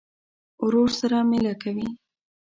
ورور سره مېله کوې.